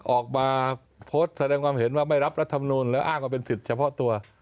ออกมาโพสต์แสดงความเห็นว่าไม่รับรัฐมนูลและอ้างว่าเป็นสิทธิ์เฉพาะตัว